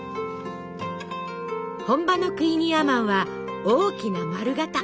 本場のクイニーアマンは大きな丸型。